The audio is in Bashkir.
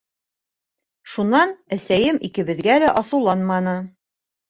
Шунан әсәйем икебеҙгә лә асыуланманы.